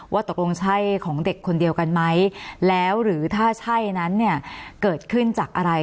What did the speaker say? ว่าตกลงใช่ของเด็กคนเดียวกันไหมแล้วหรือถ้าใช่นั้นเนี่ยเกิดขึ้นจากอะไร